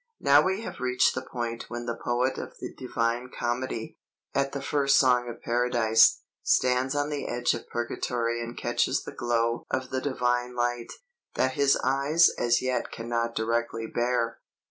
"Now we have reached the point when the poet of the Divine Comedy, at the first song of paradise, stands on the edge of purgatory and catches the glow of the divine light, that his eyes as yet cannot directly bear.